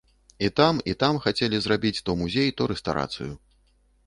І там, і там хацелі зрабіць то музей, то рэстарацыю.